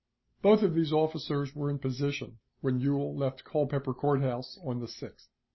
Both these officers were in position when Ewell left Culpeper Court House on the 6th.